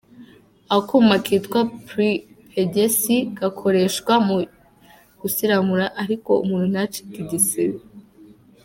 Akuma kitwa Pre Pegisi gakoreshwa mu gusiramura ariko umuntu ntacike igisebe.